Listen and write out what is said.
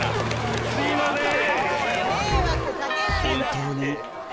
・すいませーん